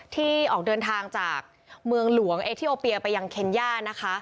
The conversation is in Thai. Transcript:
ที่ออกเดินทางจากเมืองหลวงเอทีโอเปียไปยังเคนย่านะคะ